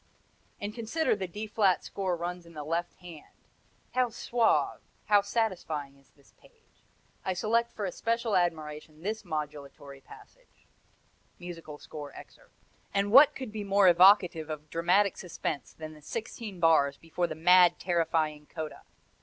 And consider the D flat scale runs in the left hand; how suave, how satisfying is this page. I select for especial admiration this modulatory passage: [Musical score excerpt] And what could be more evocative of dramatic suspense than the sixteen bars before the mad, terrifying coda!